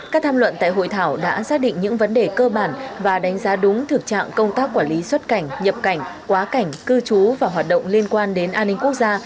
các tham luận tại hội thảo đã xác định những vấn đề cơ bản và đánh giá đúng thực trạng công tác quản lý xuất cảnh nhập cảnh quá cảnh cư trú và hoạt động liên quan đến an ninh quốc gia